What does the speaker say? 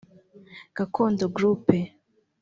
Gakondo Group